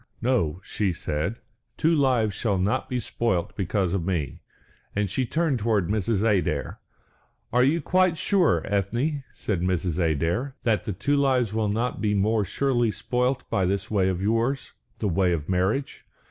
"No," she said, "two lives shall not be spoilt because of me," and she turned towards Mrs. Adair. "Are you quite sure, Ethne," said Mrs. Adair, "that the two lives will not be more surely spoilt by this way of yours the way of marriage?